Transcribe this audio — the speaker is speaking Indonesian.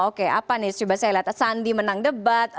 oke apa nih coba saya lihat sandi menang debat